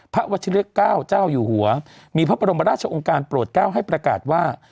วัชิเลือกเก้าเจ้าอยู่หัวมีพระบรมราชองค์การโปรดเก้าให้ประกาศว่า